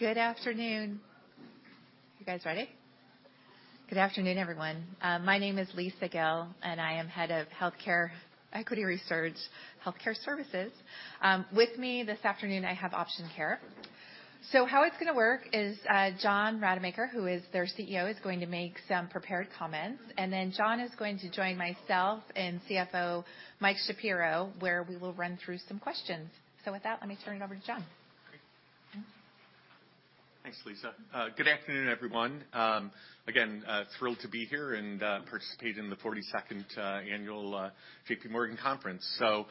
Good afternoon. You guys ready? Good afternoon, everyone. My name is Lisa Gill, and I am head of Healthcare Equity Research, Healthcare Services. With me this afternoon, I have Option Care. How it's gonna work is, John Rademacher, who is their CEO, is going to make some prepared comments, and then John is going to join myself and CFO Mike Shapiro, where we will run through some questions. With that, let me turn it over to John. Thanks, Lisa. Good afternoon, everyone. Again, thrilled to be here and participate in the 42nd annual JPMorgan conference. So,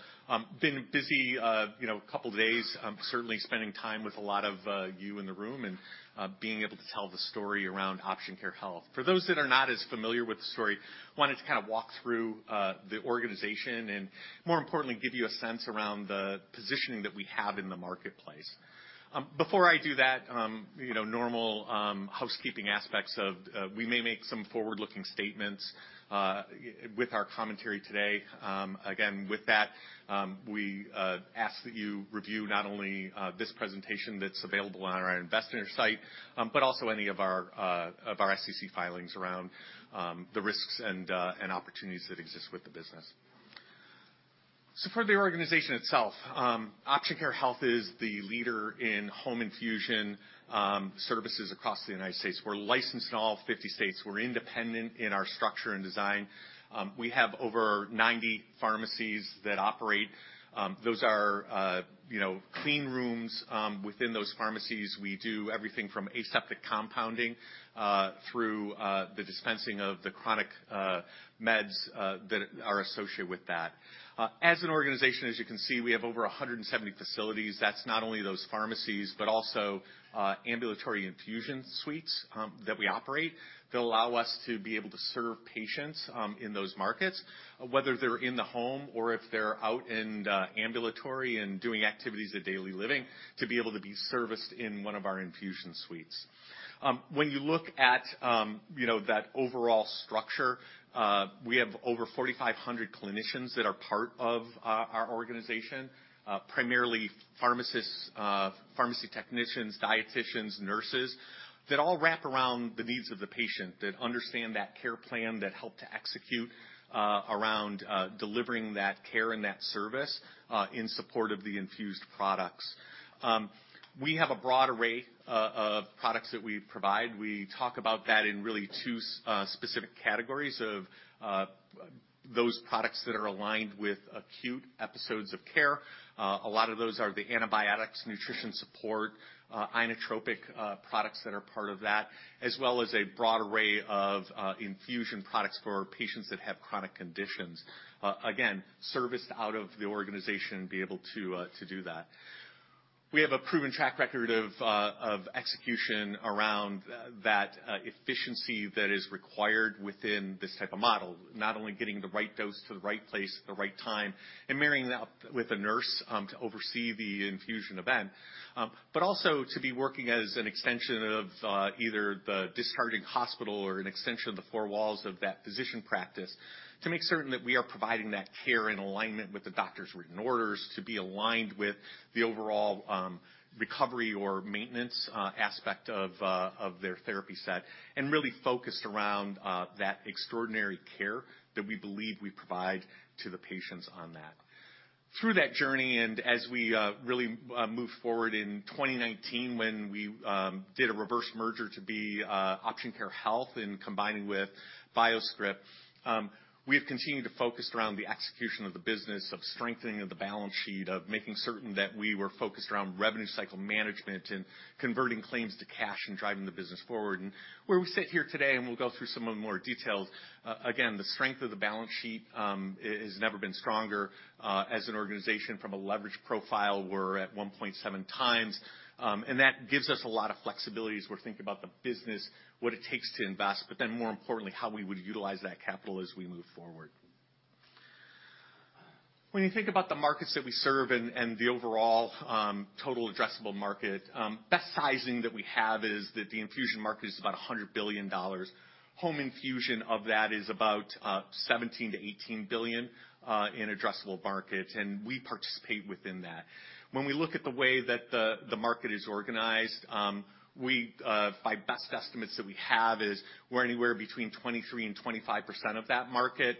been busy, you know, a couple of days, certainly spending time with a lot of you in the room and being able to tell the story around Option Care Health. For those that are not as familiar with the story, wanted to kind of walk through the organization and more importantly, give you a sense around the positioning that we have in the marketplace. Before I do that, you know, normal housekeeping aspects of we may make some forward-looking statements with our commentary today. Again, with that, we ask that you review not only this presentation that's available on our investor site, but also any of our SEC filings around the risks and opportunities that exist with the business. So for the organization itself, Option Care Health is the leader in home infusion services across the United States. We're licensed in all 50 states. We're independent in our structure and design. We have over 90 pharmacies that operate. Those are, you know, clean rooms. Within those pharmacies, we do everything from aseptic compounding through the dispensing of the chronic meds that are associated with that. As an organization, as you can see, we have over 170 facilities. That's not only those pharmacies, but also, ambulatory infusion suites, that we operate, that allow us to be able to serve patients, in those markets, whether they're in the home or if they're out in the ambulatory and doing activities of daily living, to be able to be serviced in one of our infusion suites. When you look at, you know, that overall structure, we have over 4,500 clinicians that are part of, our organization, primarily pharmacists, pharmacy technicians, dieticians, nurses, that all wrap around the needs of the patient, that understand that care plan, that help to execute, around, delivering that care and that service, in support of the infused products. We have a broad array, of products that we provide. We talk about that in really two, specific categories of, those products that are aligned with acute episodes of care. A lot of those are the antibiotics, nutrition support, inotropic, products that are part of that, as well as a broad array of, infusion products for patients that have chronic conditions. Again, serviced out of the organization, be able to, to do that. We have a proven track record of execution around that efficiency that is required within this type of model, not only getting the right dose to the right place at the right time and marrying that up with a nurse to oversee the infusion event, but also to be working as an extension of either the discharging hospital or an extension of the four walls of that physician practice to make certain that we are providing that care in alignment with the doctor's written orders, to be aligned with the overall recovery or maintenance aspect of their therapy set, and really focused around that extraordinary care that we believe we provide to the patients on that. Through that journey, and as we really moved forward in 2019, when we did a reverse merger to be Option Care Health and combining with BioScrip, we have continued to focus around the execution of the business, of strengthening of the balance sheet, of making certain that we were focused around revenue cycle management and converting claims to cash and driving the business forward. Where we sit here today, and we'll go through some of the more details, again, the strength of the balance sheet has never been stronger as an organization from a leverage profile, we're at 1.7 times, and that gives us a lot of flexibility as we're thinking about the business, what it takes to invest, but then more importantly, how we would utilize that capital as we move forward. When you think about the markets that we serve and the overall total addressable market, best sizing that we have is that the infusion market is about $100 billion. Home infusion of that is about $17 billion-$18 billion in addressable market, and we participate within that. When we look at the way that the market is organized, we by best estimates that we have, is we're anywhere between 23% and 25% of that market.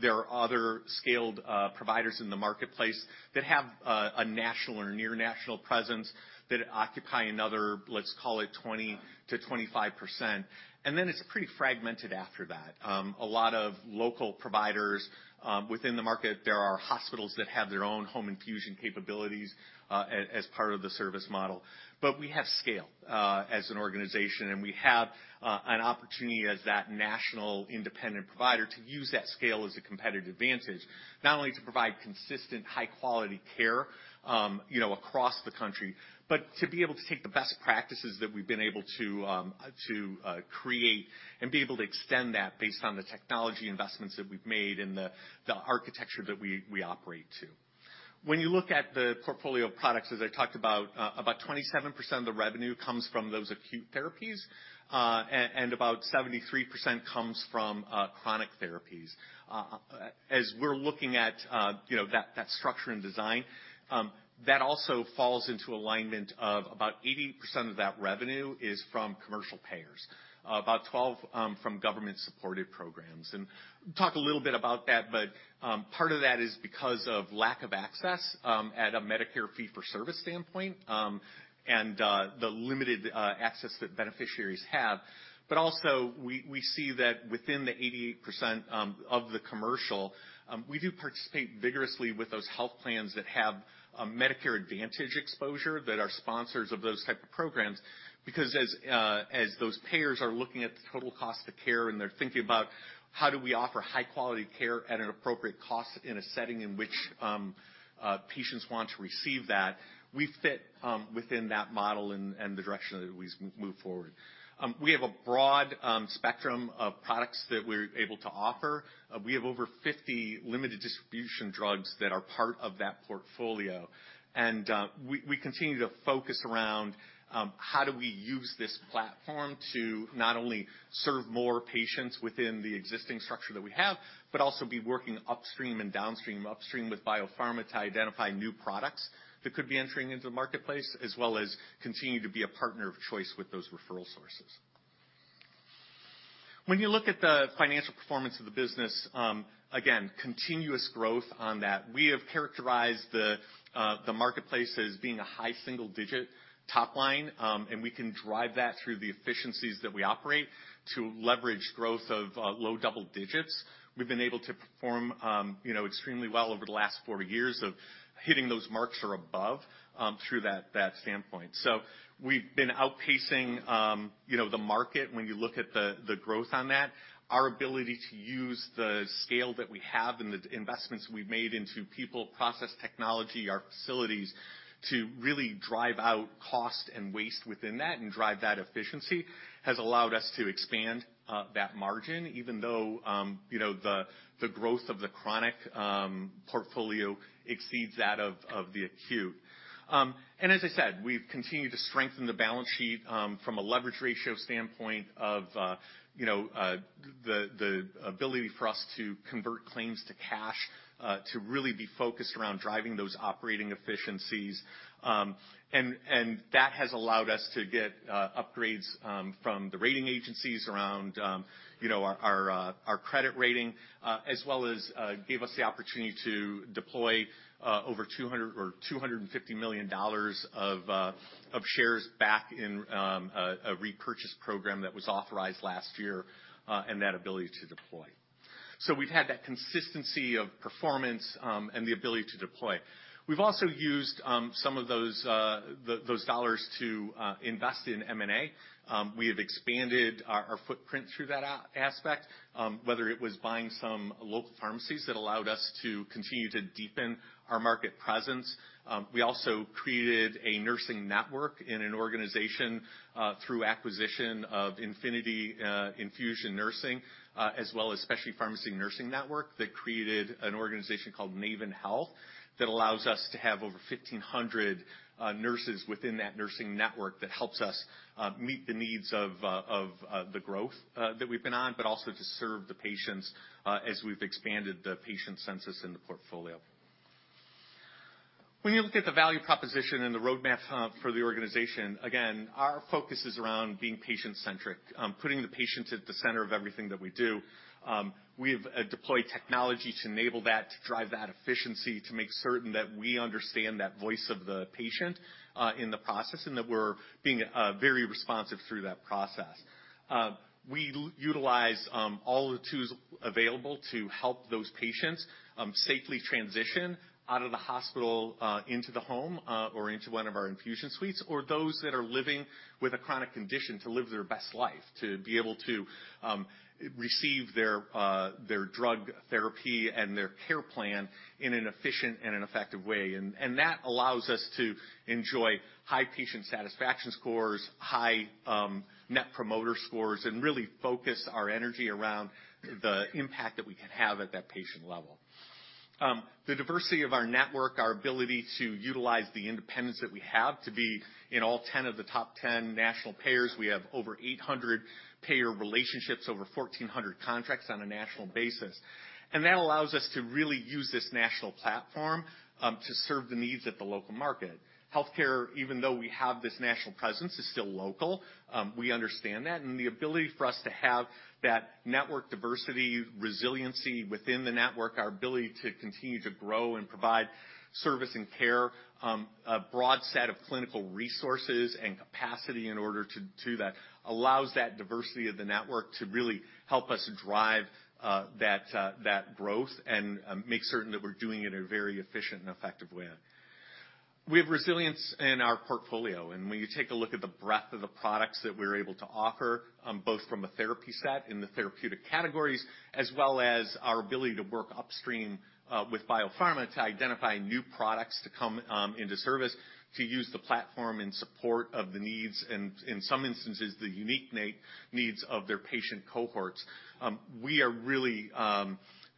There are other scaled providers in the marketplace that have a national or near national presence that occupy another, let's call it 20%-25%, and then it's pretty fragmented after that. A lot of local providers within the market, there are hospitals that have their own home infusion capabilities as part of the service model. But we have scale as an organization, and we have an opportunity as that national independent provider to use that scale as a competitive advantage, not only to provide consistent, high quality care, you know, across the country, but to be able to take the best practices that we've been able to create and be able to extend that based on the technology investments that we've made and the architecture that we operate to. When you look at the portfolio of products, as I talked about, about 27% of the revenue comes from those acute therapies, and about 73% comes from chronic therapies. As we're looking at, you know, that structure and design, that also falls into alignment of about 80% of that revenue is from commercial payers, about 12 from government-supported programs. And talk a little bit about that, but part of that is because of lack of access at a Medicare fee-for-service standpoint, and the limited access that beneficiaries have. But also, we see that within the 88% of the commercial, we do participate vigorously with those health plans that have a Medicare Advantage exposure, that are sponsors of those type of programs, because as those payers are looking at the total cost of care and they're thinking about: How do we offer high-quality care at an appropriate cost in a setting in which patients want to receive that? We fit within that model and the direction that we move forward. We have a broad spectrum of products that we're able to offer. We have over 50 limited distribution drugs that are part of that portfolio, and we continue to focus around: How do we use this platform to not only serve more patients within the existing structure that we have, but also be working upstream and downstream, upstream with biopharma to identify new products that could be entering into the marketplace, as well as continue to be a partner of choice with those referral sources? When you look at the financial performance of the business, again, continuous growth on that. We have characterized the, the marketplace as being a high single digit top line, and we can drive that through the efficiencies that we operate to leverage growth of low double digits. We've been able to perform, you know, extremely well over the last four years of hitting those marks or above, through that, that standpoint. So we've been outpacing, you know, the market when you look at the, the growth on that. Our ability to use the scale that we have and the, the investments we've made into people, process, technology, our facilities, to really drive out cost and waste within that and drive that efficiency, has allowed us to expand that margin, even though, you know, the, the growth of the chronic portfolio exceeds that of, of the acute. As I said, we've continued to strengthen the balance sheet from a leverage ratio standpoint of you know the ability for us to convert claims to cash to really be focused around driving those operating efficiencies. And that has allowed us to get upgrades from the rating agencies around you know our credit rating as well as gave us the opportunity to deploy over $200 million... or $250 million of shares back in a repurchase program that was authorized last year and that ability to deploy. So we've had that consistency of performance and the ability to deploy. We've also used some of those dollars to invest in M&A. We have expanded our, our footprint through that aspect, whether it was buying some local pharmacies that allowed us to continue to deepen our market presence. We also created a nursing network in an organization, through acquisition of Infinity Infusion Nursing, as well as Specialty Pharmacy Nursing Network, that created an organization called Naven Health, that allows us to have over 1,500 nurses within that nursing network, that helps us, meet the needs of, of, the growth, that we've been on, but also to serve the patients, as we've expanded the patient census in the portfolio. When you look at the value proposition and the roadmap, for the organization, again, our focus is around being patient-centric, putting the patient at the center of everything that we do. We've deployed technology to enable that, to drive that efficiency, to make certain that we understand that voice of the patient in the process, and that we're being very responsive through that process. We utilize all the tools available to help those patients safely transition out of the hospital into the home, or into one of our infusion suites, or those that are living with a chronic condition to live their best life, to be able to receive their drug therapy and their care plan in an efficient and an effective way. And that allows us to enjoy high patient satisfaction scores, high Net Promoter Scores, and really focus our energy around the impact that we can have at that patient level. The diversity of our network, our ability to utilize the independence that we have to be in all 10 of the top 10 national payers. We have over 800 payer relationships, over 1,400 contracts on a national basis, and that allows us to really use this national platform to serve the needs at the local market. Healthcare, even though we have this national presence, is still local. We understand that, and the ability for us to have that network diversity, resiliency within the network, our ability to continue to grow and provide service and care, a broad set of clinical resources and capacity in order to do that, allows that diversity of the network to really help us drive that growth and make certain that we're doing it in a very efficient and effective way. We have resilience in our portfolio, and when you take a look at the breadth of the products that we're able to offer, both from a therapy set in the therapeutic categories, as well as our ability to work upstream, with biopharma to identify new products to come, into service, to use the platform in support of the needs, and in some instances, the unique needs of their patient cohorts. We are really,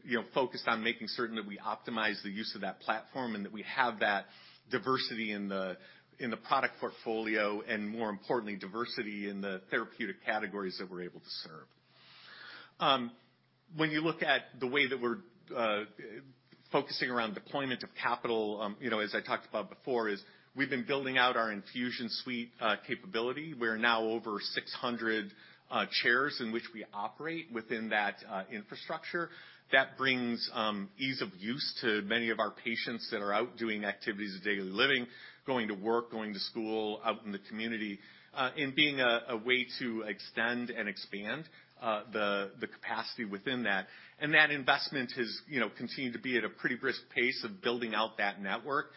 you know, focused on making certain that we optimize the use of that platform, and that we have that diversity in the product portfolio, and more importantly, diversity in the therapeutic categories that we're able to serve. When you look at the way that we're focusing around deployment of capital, you know, as I talked about before, is we've been building out our infusion suite capability. We're now over 600 chairs in which we operate within that infrastructure. That brings ease of use to many of our patients that are out doing activities of daily living, going to work, going to school, out in the community, and being a way to extend and expand the capacity within that. And that investment has, you know, continued to be at a pretty brisk pace of building out that network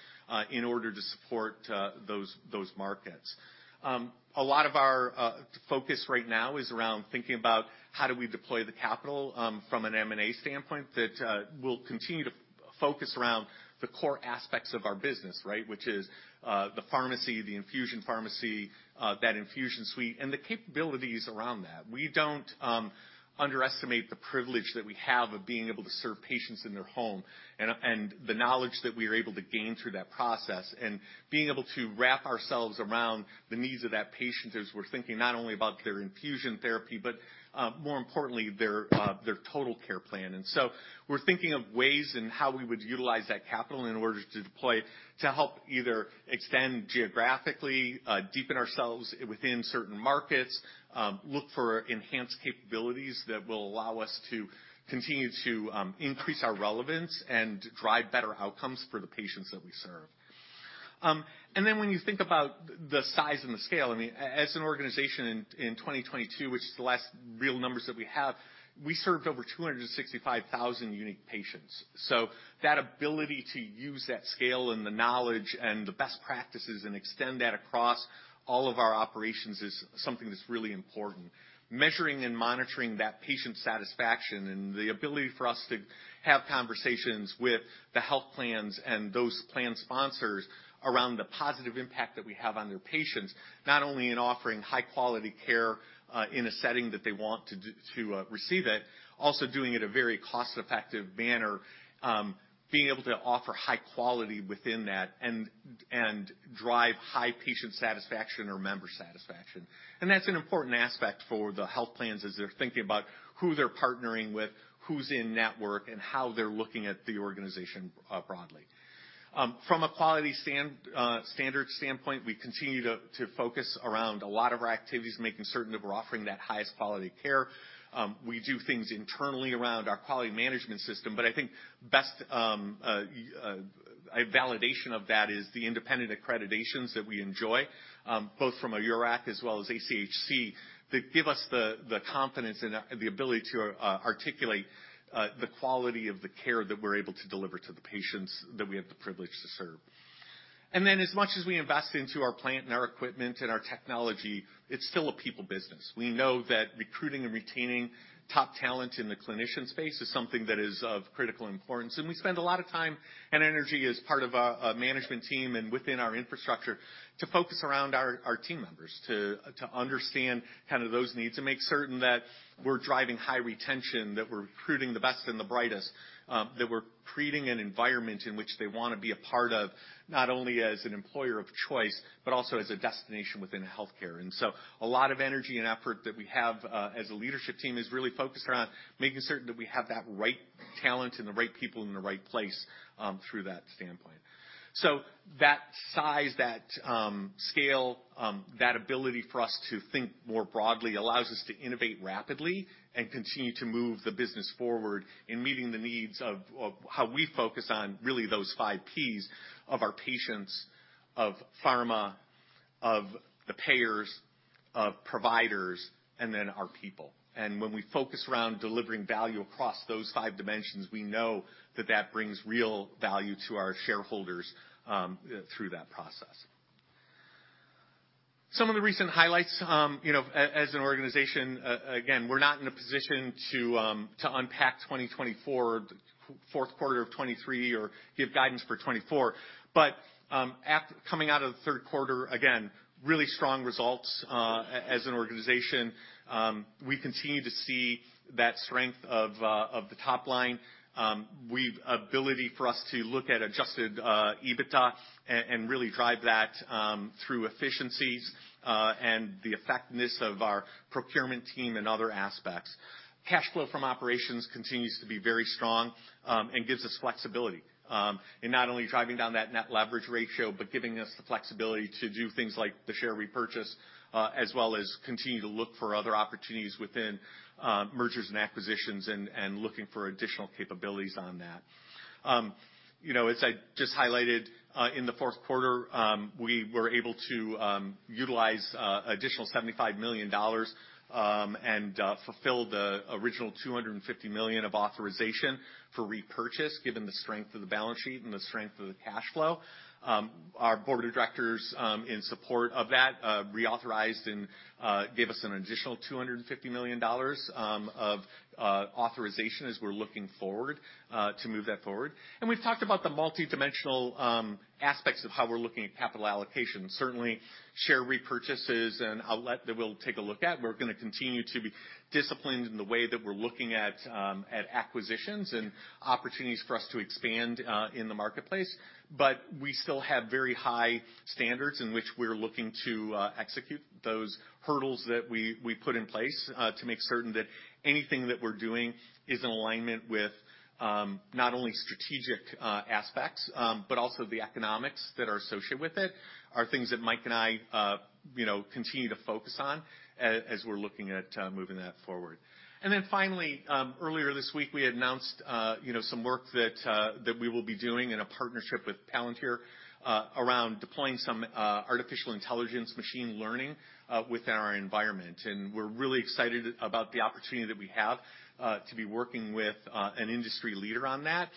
in order to support those markets. A lot of our focus right now is around thinking about how do we deploy the capital from an M&A standpoint that will continue to focus around the core aspects of our business, right? Which is the pharmacy, the infusion pharmacy that infusion suite, and the capabilities around that. We don't underestimate the privilege that we have of being able to serve patients in their home, and the knowledge that we are able to gain through that process, and being able to wrap ourselves around the needs of that patient as we're thinking not only about their infusion therapy, but more importantly, their total care plan. So we're thinking of ways in how we would utilize that capital in order to deploy, to help either extend geographically, deepen ourselves within certain markets, look for enhanced capabilities that will allow us to continue to increase our relevance and drive better outcomes for the patients that we serve. And then when you think about the size and the scale, I mean, as an organization in 2022, which is the last real numbers that we have, we served over 265,000 unique patients. So that ability to use that scale and the knowledge and the best practices and extend that across all of our operations is something that's really important. Measuring and monitoring that patient satisfaction and the ability for us to have conversations with the health plans and those plan sponsors around the positive impact that we have on their patients, not only in offering high quality care, in a setting that they want to receive it, also doing it a very cost-effective manner, being able to offer high quality within that and drive high patient satisfaction or member satisfaction. That's an important aspect for the health plans as they're thinking about who they're partnering with, who's in network, and how they're looking at the organization, broadly. From a quality standard standpoint, we continue to focus around a lot of our activities, making certain that we're offering that highest quality care. We do things internally around our quality management system, but I think the best validation of that is the independent accreditations that we enjoy, both from a URAC as well as ACHC, that give us the confidence and the ability to articulate the quality of the care that we're able to deliver to the patients that we have the privilege to serve. And then as much as we invest into our plant and our equipment and our technology, it's still a people business. We know that recruiting and retaining top talent in the clinician space is something that is of critical importance, and we spend a lot of time and energy as part of a management team and within our infrastructure to focus around our team members, to understand kind of those needs and make certain that we're driving high retention, that we're recruiting the best and the brightest, that we're creating an environment in which they wanna be a part of, not only as an employer of choice, but also as a destination within healthcare. And so a lot of energy and effort that we have as a leadership team is really focused around making certain that we have that right talent and the right people in the right place through that standpoint. So that size, that, scale, that ability for us to think more broadly allows us to innovate rapidly and continue to move the business forward in meeting the needs of, of how we focus on really those five Ps of our patients, of pharma, of the payers, of providers, and then our people. And when we focus around delivering value across those five dimensions, we know that that brings real value to our shareholders, through that process. Some of the recent highlights, you know, as an organization, again, we're not in a position to unpack 2024, fourth quarter of 2023 or give guidance for 2024, but, after coming out of the third quarter, again, really strong results, as an organization. We continue to see that strength of the top line. have the ability for us to look at Adjusted EBITDA and really drive that through efficiencies and the effectiveness of our procurement team and other aspects. Cash flow from operations continues to be very strong and gives us flexibility in not only driving down that net leverage ratio, but giving us the flexibility to do things like the share repurchase as well as continue to look for other opportunities within mergers and acquisitions and looking for additional capabilities on that. You know, as I just highlighted, in the fourth quarter, we were able to utilize additional $75 million and fulfill the original $250 million of authorization for repurchase, given the strength of the balance sheet and the strength of the cash flow. Our board of directors, in support of that, reauthorized and gave us an additional $250 million of authorization as we're looking forward to move that forward. And we've talked about the multidimensional aspects of how we're looking at capital allocation. Certainly, share repurchases and outlet that we'll take a look at. We're gonna continue to be disciplined in the way that we're looking at acquisitions and opportunities for us to expand in the marketplace. But we still have very high standards in which we're looking to execute those hurdles that we put in place to make certain that anything that we're doing is in alignment with not only strategic aspects but also the economics that are associated with it, are things that Mike and I you know continue to focus on as we're looking at moving that forward. And then finally, earlier this week, we had announced you know some work that we will be doing in a partnership with Palantir around deploying some artificial intelligence machine learning within our environment. And we're really excited about the opportunity that we have to be working with an industry leader on that.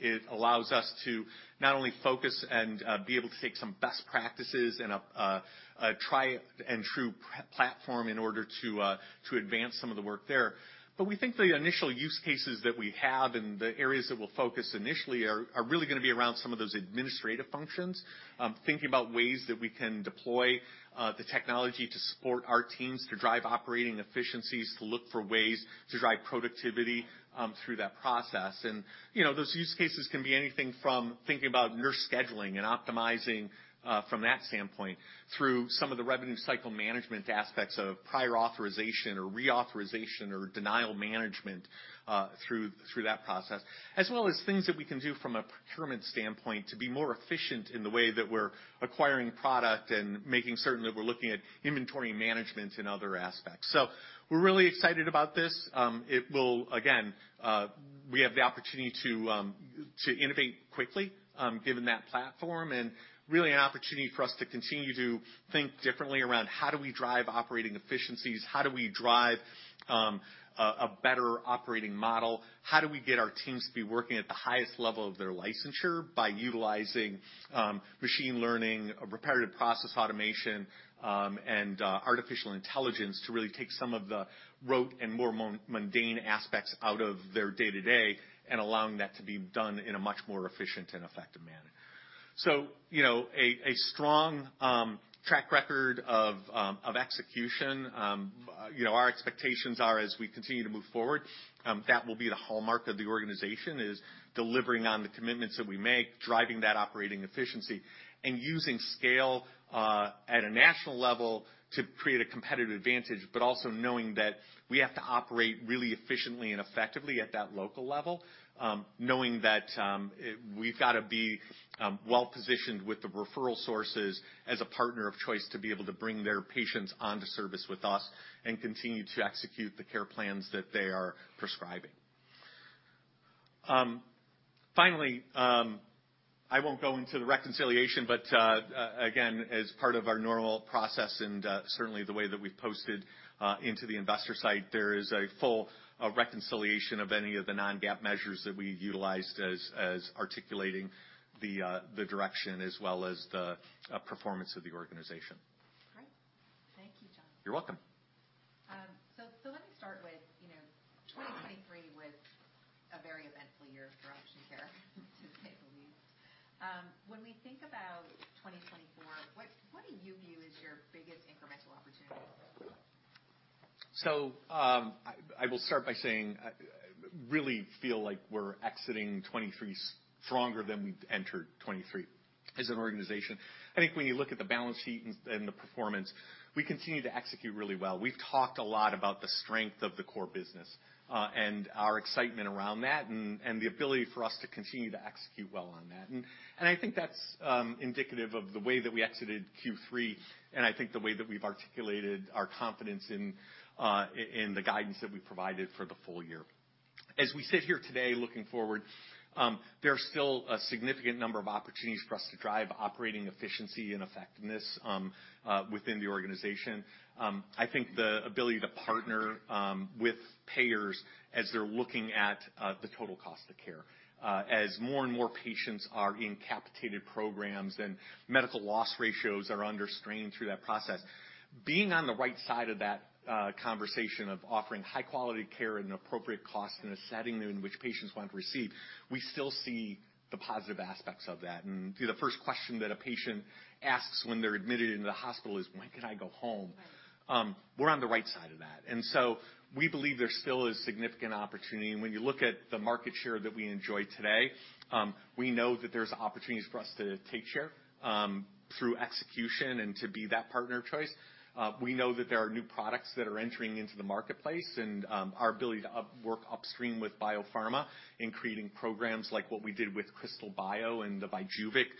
It allows us to not only focus and be able to take some best practices and a tried and true platform in order to advance some of the work there. But we think the initial use cases that we have and the areas that we'll focus initially are really gonna be around some of those administrative functions, thinking about ways that we can deploy the technology to support our teams, to drive operating efficiencies, to look for ways to drive productivity through that process. You know, those use cases can be anything from thinking about nurse scheduling and optimizing from that standpoint, through some of the revenue cycle management aspects of prior authorization or reauthorization or denial management through that process, as well as things that we can do from a procurement standpoint to be more efficient in the way that we're acquiring product and making certain that we're looking at inventory management and other aspects. So we're really excited about this. It will, again, we have the opportunity to innovate quickly, given that platform, and really an opportunity for us to continue to think differently around how do we drive operating efficiencies, how do we drive a better operating model? How do we get our teams to be working at the highest level of their licensure by utilizing machine learning, robotic process automation, and artificial intelligence to really take some of the rote and more mundane aspects out of their day-to-day, and allowing that to be done in a much more efficient and effective manner. So, you know, a strong track record of execution. You know, our expectations are as we continue to move forward, that will be the hallmark of the organization, is delivering on the commitments that we make, driving that operating efficiency, and using scale at a national level to create a competitive advantage, but also knowing that we have to operate really efficiently and effectively at that local level. Knowing that, we've got to be well-positioned with the referral sources as a partner of choice to be able to bring their patients onto service with us and continue to execute the care plans that they are prescribing. Finally, I won't go into the reconciliation, but again, as part of our normal process and certainly the way that we've posted into the investor site, there is a full reconciliation of any of the non-GAAP measures that we've utilized as articulating the direction as well as the performance of the organization. Great. Thank you, John. You're welcome. So, let me start with, you know, 2023 was a very eventful year for Option Care, to say the least. When we think about 2024, what do you view as your biggest incremental opportunity? So, I will start by saying I really feel like we're exiting 2023 stronger than we've entered 2023 as an organization. I think when you look at the balance sheet and the performance, we continue to execute really well. We've talked a lot about the strength of the core business, and our excitement around that, and the ability for us to continue to execute well on that. I think that's indicative of the way that we exited Q3, and I think the way that we've articulated our confidence in the guidance that we provided for the full year. As we sit here today, looking forward, there's still a significant number of opportunities for us to drive operating efficiency and effectiveness within the organization. I think the ability to partner with payers as they're looking at the total cost of care as more and more patients are in capitated programs and medical loss ratios are under strain through that process. Being on the right side of that conversation of offering high-quality care at an appropriate cost in a setting in which patients want to receive, we still see the positive aspects of that. And the first question that a patient asks when they're admitted into the hospital is: "When can I go home? Right. We're on the right side of that, and so we believe there still is significant opportunity. And when you look at the market share that we enjoy today, we know that there's opportunities for us to take share, through execution and to be that partner of choice. We know that there are new products that are entering into the marketplace, and our ability to work upstream with biopharma in creating programs like what we did with Krystal Biotech and the VYJUVEK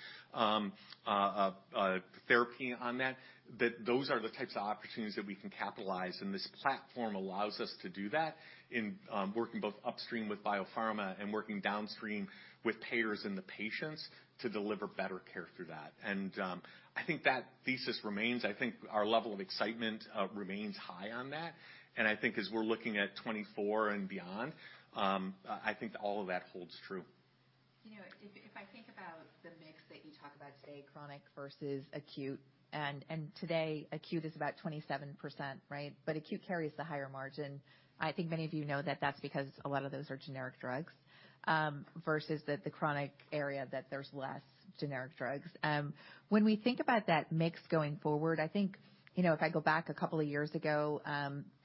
therapy on that, that those are the types of opportunities that we can capitalize, and this platform allows us to do that in working both upstream with biopharma and working downstream with payers and the patients to deliver better care through that. And I think that thesis remains. I think our level of excitement remains high on that. I think as we're looking at 2024 and beyond, I think all of that holds true. You know, if I think about the mix that you talked about today, chronic versus acute, and today, acute is about 27%, right? But acute carries the higher margin. I think many of you know that that's because a lot of those are generic drugs versus that the chronic area, that there's less generic drugs. When we think about that mix going forward, I think, you know, if I go back a couple of years ago,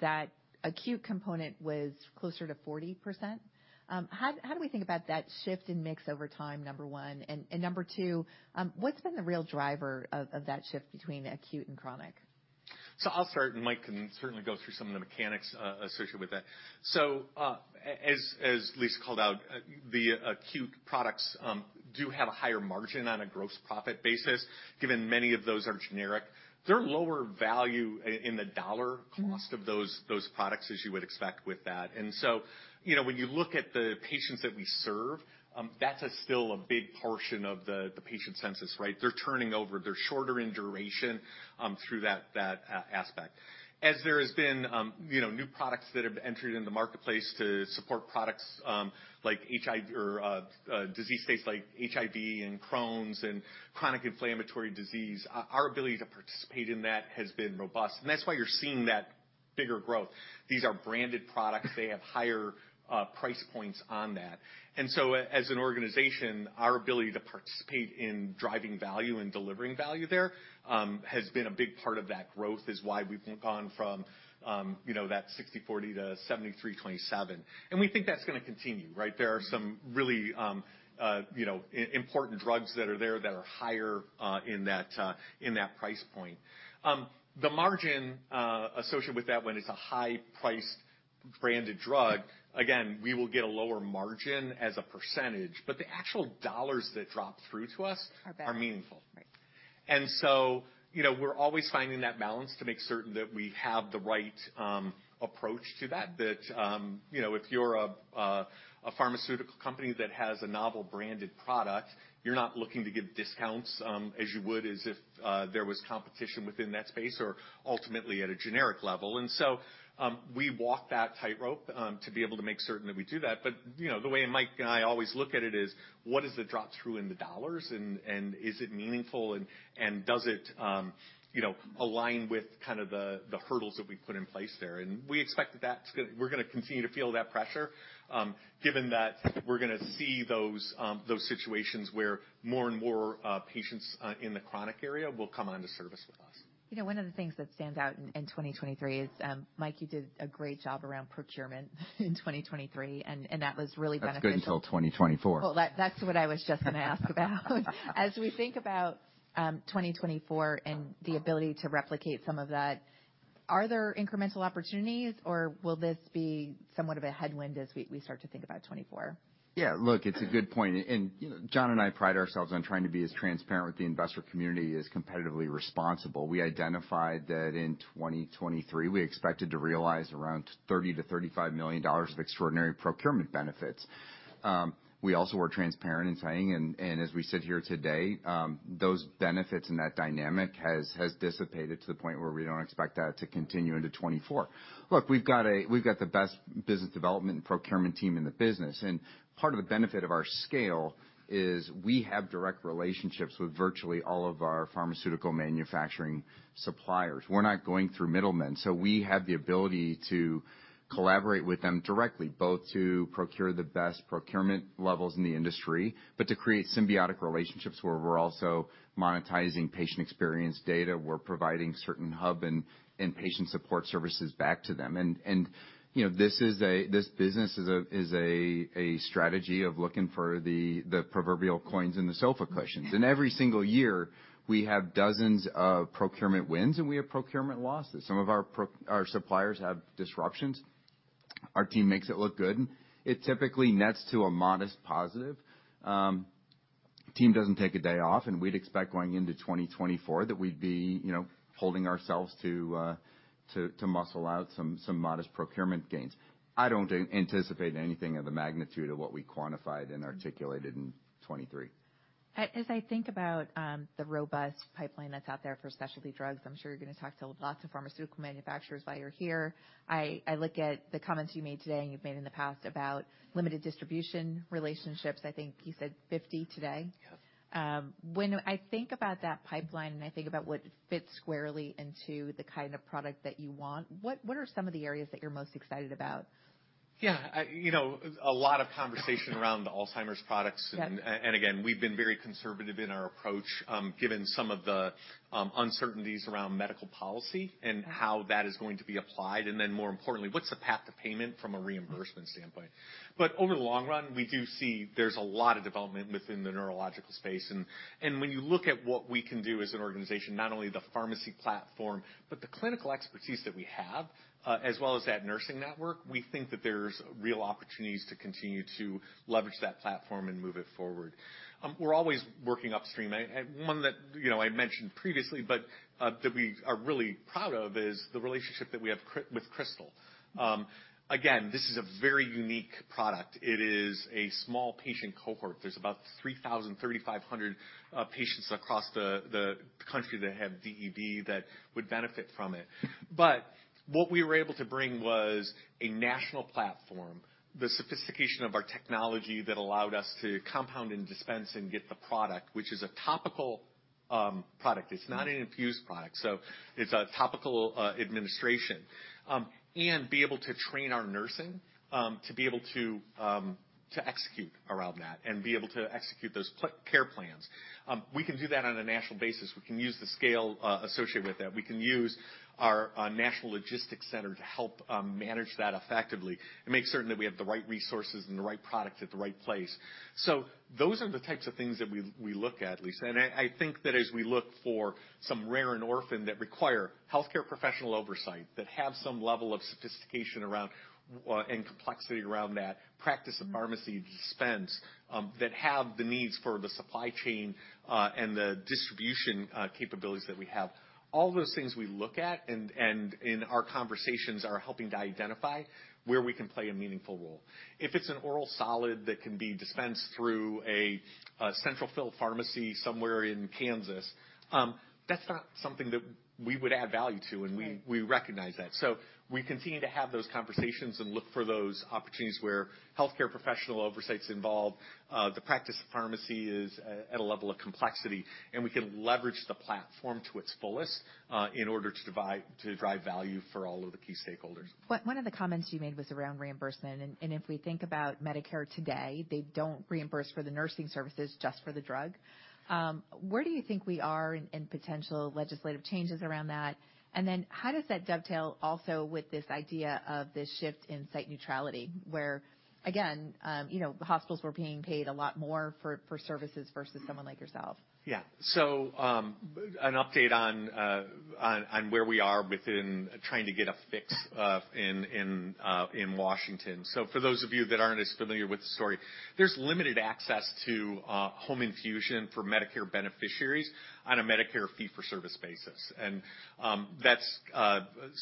that acute component was closer to 40%. How do we think about that shift in mix over time, number one? And number two, what's been the real driver of that shift between acute and chronic? So I'll start, and Mike can certainly go through some of the mechanics associated with that. So, as Lisa called out, the acute products do have a higher margin on a gross profit basis, given many of those are generic. They're lower value in the dollar cost of those products, as you would expect with that. And so, you know, when you look at the patients that we serve, that's still a big portion of the patient census, right? They're turning over. They're shorter in duration through that aspect. As there has been, you know, new products that have entered in the marketplace to support products like HIV or disease states like HIV and Crohn's and chronic inflammatory disease, our ability to participate in that has been robust, and that's why you're seeing that bigger growth. These are branded products. They have higher price points on that. And so as an organization, our ability to participate in driving value and delivering value there, has been a big part of that growth, is why we've gone from, you know, that 60/40 to 73/27. And we think that's going to continue, right? There are some really, you know, important drugs that are there that are higher in that price point. The margin associated with that, when it's a high-priced branded drug, again, we will get a lower margin as a percentage, but the actual dollars that drop through to us- Are better. -are meaningful. Right. And so, you know, we're always finding that balance to make certain that we have the right approach to that, you know, if you're a pharmaceutical company that has a novel branded product, you're not looking to give discounts as you would as if there was competition within that space or ultimately at a generic level. And so, we walk that tightrope to be able to make certain that we do that. But, you know, the way Mike and I always look at it is, what is the drop-through in the dollars, and is it meaningful, and does it, you know, align with kind of the hurdles that we've put in place there? And we expect that, that's gonna-- we're gonna continue to feel that pressure, given that we're gonna see those situations where more and more patients in the chronic area will come onto service with us. You know, one of the things that stands out in 2023 is, Mike, you did a great job around procurement in 2023, and that was really beneficial. That's good until 2024. Well, that, that's what I was just gonna ask about. As we think about 2024 and the ability to replicate some of that, are there incremental opportunities, or will this be somewhat of a headwind as we start to think about 2024? Yeah, look, it's a good point. And, you know, John and I pride ourselves on trying to be as transparent with the investor community as competitively responsible. We identified that in 2023, we expected to realize around $30-$35 million of extraordinary procurement benefits. We also were transparent in saying, and as we sit here today, those benefits and that dynamic has dissipated to the point where we don't expect that to continue into 2024. Look, we've got the best business development and procurement team in the business, and part of the benefit of our scale is we have direct relationships with virtually all of our pharmaceutical manufacturing suppliers. We're not going through middlemen, so we have the ability to collaborate with them directly, both to procure the best procurement levels in the industry, but to create symbiotic relationships where we're also monetizing patient experience data, we're providing certain hub and patient support services back to them. And, you know, this business is a strategy of looking for the proverbial coins in the sofa cushions. Yes. Every single year, we have dozens of procurement wins, and we have procurement losses. Some of our suppliers have disruptions. Our team makes it look good. It typically nets to a modest positive. Team doesn't take a day off, and we'd expect going into 2024, that we'd be, you know, holding ourselves to muscle out some modest procurement gains. I don't anticipate anything of the magnitude of what we quantified and articulated in 2023. As I think about the robust pipeline that's out there for specialty drugs, I'm sure you're going to talk to lots of pharmaceutical manufacturers while you're here. I look at the comments you made today and you've made in the past about limited distribution relationships. I think you said 50 today. Yes. When I think about that pipeline, and I think about what fits squarely into the kind of product that you want, what are some of the areas that you're most excited about? Yeah, you know, a lot of conversation around the Alzheimer's products. Yes. And again, we've been very conservative in our approach, given some of the uncertainties around medical policy and how that is going to be applied, and then, more importantly, what's the path to payment from a reimbursement standpoint? But over the long run, we do see there's a lot of development within the neurological space, and when you look at what we can do as an organization, not only the pharmacy platform, but the clinical expertise that we have, as well as that nursing network, we think that there's real opportunities to continue to leverage that platform and move it forward. We're always working upstream. And one that, you know, I mentioned previously, but that we are really proud of, is the relationship that we have with Krystal. Again, this is a very unique product. It is a small patient cohort. There's about 3,000-3,500 patients across the country that have DEB that would benefit from it. But what we were able to bring was a national platform, the sophistication of our technology that allowed us to compound and dispense and get the product, which is a topical product. It's not an infused product, so it's a topical administration and be able to train our nursing to be able to execute around that and be able to execute those care plans. We can do that on a national basis. We can use the scale associated with that. We can use our national logistics center to help manage that effectively and make certain that we have the right resources and the right product at the right place. So those are the types of things that we, we look at, Lisa, and I, I think that as we look for some rare and orphan that require healthcare professional oversight, that have some level of sophistication around, and complexity around that practice of pharmacy dispense, that have the needs for the supply chain, and the distribution, capabilities that we have. All those things we look at, and, and in our conversations are helping to identify where we can play a meaningful role. If it's an oral solid that can be dispensed through a, a central fill pharmacy somewhere in Kansas, that's not something that we would add value to, and- Right. We recognize that. So we continue to have those conversations and look for those opportunities where healthcare professional oversight's involved, the practice of pharmacy is at a level of complexity, and we can leverage the platform to its fullest, in order to drive value for all of the key stakeholders. One, one of the comments you made was around reimbursement, and if we think about Medicare today, they don't reimburse for the nursing services, just for the drug. Where do you think we are in potential legislative changes around that? And then how does that dovetail also with this idea of this shift in site neutrality, where, again, you know, hospitals were being paid a lot more for services versus someone like yourself? Yeah. So, an update on where we are within trying to get a fix in Washington. So for those of you that aren't as familiar with the story, there's limited access to home infusion for Medicare beneficiaries on a Medicare fee-for-service basis. That's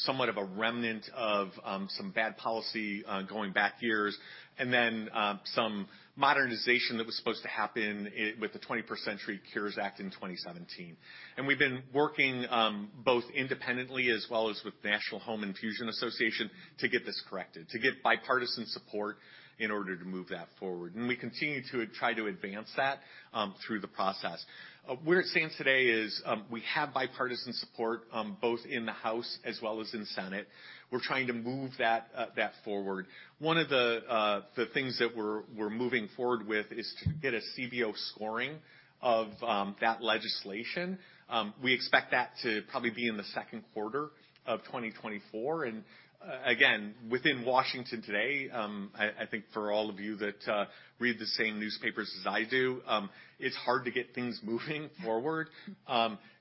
somewhat of a remnant of some bad policy going back years, and then some modernization that was supposed to happen with the Twenty-First Century Cures Act in 2017. We've been working both independently as well as with National Home Infusion Association, to get this corrected, to get bipartisan support in order to move that forward, and we continue to try to advance that through the process. Where it stands today is, we have bipartisan support both in the House as well as in the Senate. We're trying to move that forward. One of the things that we're moving forward with is to get a CBO scoring of that legislation. We expect that to probably be in the second quarter of 2024. And again, within Washington today, I think for all of you that read the same newspapers as I do, it's hard to get things moving forward.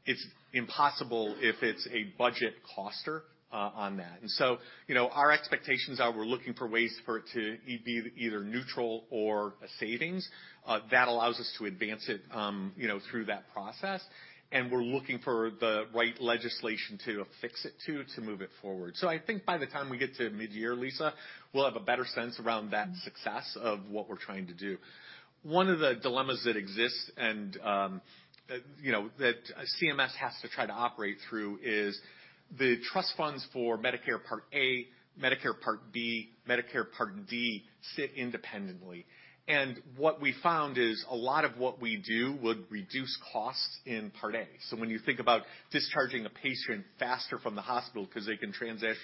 It's impossible if it's a budget buster on that. And so, you know, our expectations are we're looking for ways for it to be either neutral or a savings that allows us to advance it, you know, through that process, and we're looking for the right legislation to affix it to, to move it forward. So I think by the time we get to midyear, Lisa, we'll have a better sense around that success of what we're trying to do. One of the dilemmas that exists, and, you know, that CMS has to try to operate through, is the trust funds for Medicare Part A, Medicare Part B, Medicare Part D, sit independently, and what we found is a lot of what we do would reduce costs in Part A. So when you think about discharging a patient faster from the hospital because they can transition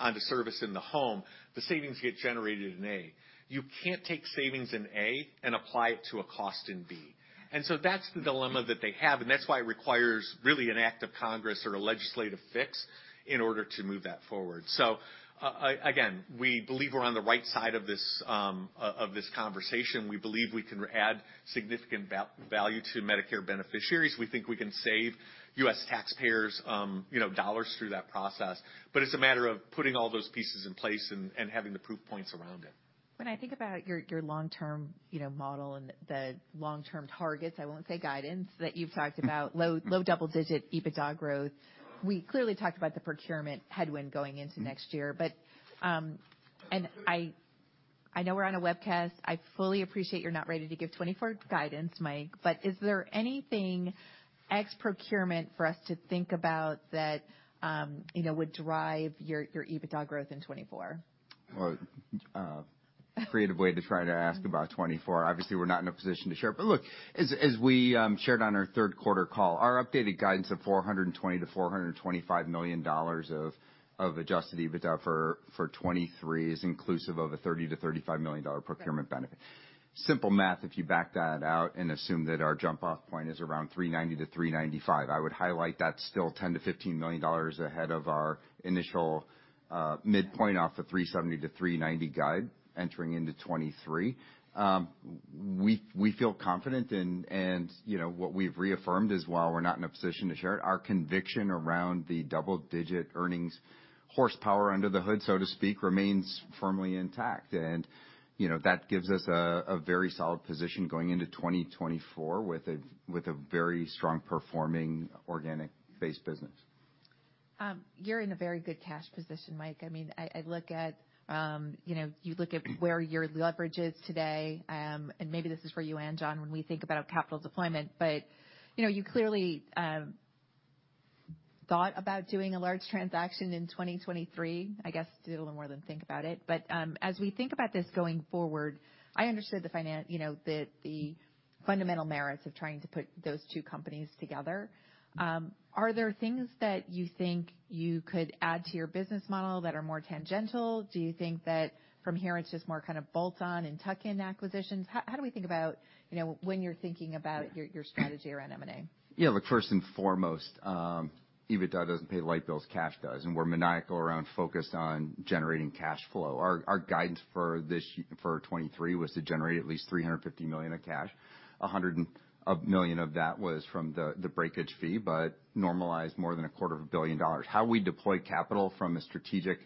onto service in the home, the savings get generated in A. You can't take savings in A and apply it to a cost in B. And so that's the dilemma that they have, and that's why it requires really an act of Congress or a legislative fix in order to move that forward. Again, we believe we're on the right side of this of this conversation. We believe we can add significant value to Medicare beneficiaries. We think we can save U.S. taxpayers, you know, dollars through that process, but it's a matter of putting all those pieces in place and having the proof points around it. When I think about your long-term, you know, model and the long-term targets, I won't say guidance, that you've talked about, low double-digit EBITDA growth, we clearly talked about the procurement headwind going into next year. Mm-hmm. But, and I, I know we're on a webcast. I fully appreciate you're not ready to give 2024 guidance, Mike, but is there anything ex procurement for us to think about that, you know, would drive your, your EBITDA growth in 2024? Well, a creative way to try to ask about 2024. Obviously, we're not in a position to share, but look, as we shared on our third quarter call, our updated guidance of $420 million-$425 million of adjusted EBITDA for 2023 is inclusive of a $30 million-$35 million procurement benefit. Right. Simple math, if you back that out and assume that our jump-off point is around 390-395, I would highlight that's still $10-$15 million ahead of our initial midpoint off the 370-390 guide entering into 2023. We, we feel confident and, and, you know, what we've reaffirmed is, while we're not in a position to share it, our conviction around the double-digit earnings, horsepower under the hood, so to speak, remains firmly intact. And, you know, that gives us a very solid position going into 2024 with a very strong performing organic-based business. You're in a very good cash position, Mike. I mean, I look at, you know, you look at where your leverage is today, and maybe this is for you and John, when we think about capital deployment, but, you know, you clearly thought about doing a large transaction in 2023, I guess, did a little more than think about it. But, as we think about this going forward, I understood the-- you know, the fundamental merits of trying to put those two companies together. Are there things that you think you could add to your business model that are more tangential? Do you think that from here, it's just more kind of bolt-on and tuck-in acquisitions? How do we think about, you know, when you're thinking about your strategy around M&A? Yeah, look, first and foremost, EBITDA doesn't pay the light bills, cash does, and we're maniacal around focused on generating cash flow. Our guidance for this year, for 2023, was to generate at least $350 million of cash. $110 million of that was from the breakage fee, but normalized more than a quarter of a billion dollars. How we deploy capital from a strategic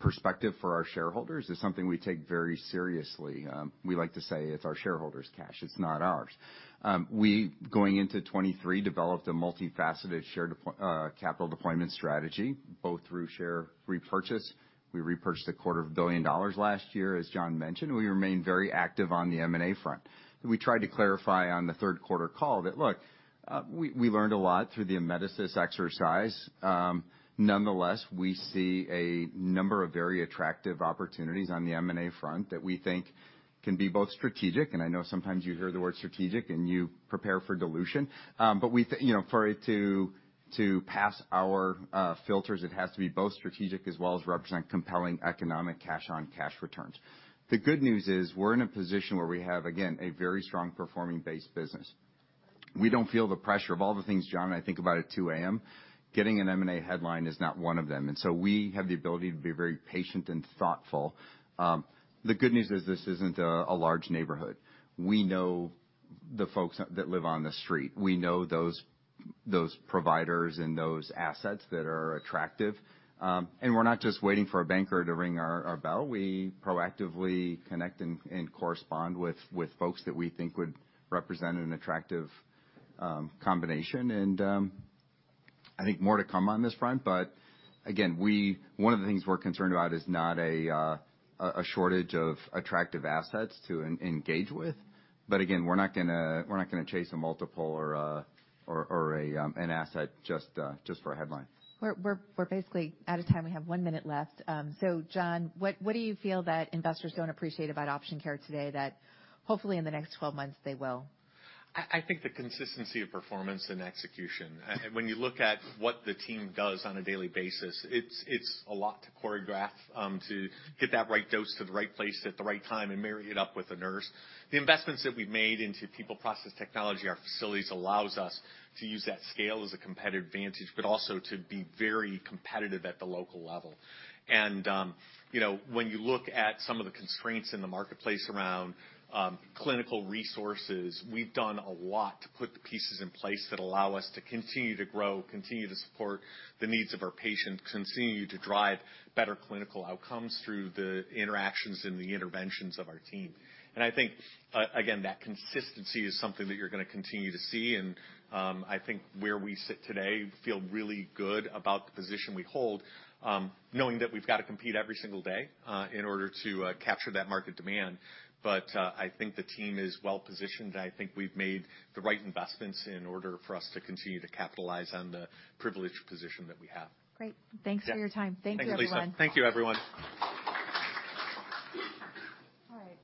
perspective for our shareholders is something we take very seriously. We like to say it's our shareholders' cash, it's not ours. Going into 2023, we developed a multifaceted capital deployment strategy, both through share repurchase. We repurchased $250 million last year, as John mentioned. We remain very active on the M&A front. We tried to clarify on the third quarter call that: look, we learned a lot through the Amedisys exercise. Nonetheless, we see a number of very attractive opportunities on the M&A front that we think can be both strategic, and I know sometimes you hear the word strategic, and you prepare for dilution. But you know, for it to pass our filters, it has to be both strategic as well as represent compelling economic cash-on-cash returns. The good news is, we're in a position where we have, again, a very strong performing base business. We don't feel the pressure of all the things John and I think about at 2 A.M., getting an M&A headline is not one of them, and so we have the ability to be very patient and thoughtful. The good news is, this isn't a large neighborhood. We know the folks that live on the street. We know those providers and those assets that are attractive, and we're not just waiting for a banker to ring our bell. We proactively connect and correspond with folks that we think would represent an attractive combination. And, I think more to come on this front, but again, one of the things we're concerned about is not a shortage of attractive assets to engage with. But again, we're not gonna, we're not gonna chase a multiple or an asset just for a headline. We're basically out of time. We have one minute left. So, John, what do you feel that investors don't appreciate about Option Care today that hopefully in the next 12 months, they will? I think the consistency of performance and execution. When you look at what the team does on a daily basis, it's a lot to choreograph to get that right dose to the right place at the right time and marry it up with a nurse. The investments that we've made into people, process, technology, our facilities, allows us to use that scale as a competitive advantage, but also to be very competitive at the local level. And, you know, when you look at some of the constraints in the marketplace around clinical resources, we've done a lot to put the pieces in place that allow us to continue to grow, continue to support the needs of our patients, continue to drive better clinical outcomes through the interactions and the interventions of our team. And I think, again, that consistency is something that you're gonna continue to see, and, I think where we sit today, feel really good about the position we hold, knowing that we've got to compete every single day, in order to, capture that market demand. But, I think the team is well positioned, and I think we've made the right investments in order for us to continue to capitalize on the privileged position that we have. Great. Yeah. Thanks for your time. Thanks, Lisa. Thank you, everyone. Thank you, everyone. All right.